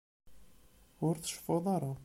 Ur tceffuḍ ara.